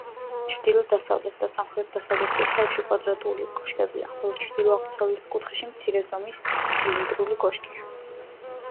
ჩრდილო-დასავლეთ და სამხრეთ-დასავლეთ კუთხეებში კვადრატული კოშკებია, ხოლო ჩრდილო-აღმოსავლეთ კუთხეში მცირე ზომის ცილინდრული კოშკია.